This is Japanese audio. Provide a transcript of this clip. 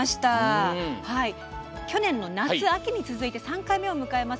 去年の夏、秋に続いて３回目を迎えます